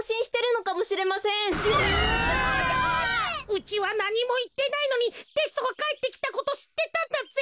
うちはなにもいってないのにテストがかえってきたことしってたんだぜ！